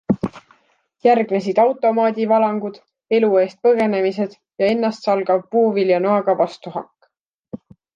Järgnesid automaadivalangud, elu eest põgenemised ja ennastsalgav puuviljanoaga vastuhakk.